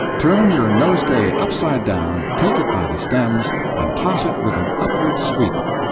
Turn your nosegay upside down, take it by the stems, and toss it with an upward sweep.